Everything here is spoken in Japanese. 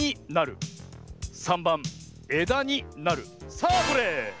さあどれ？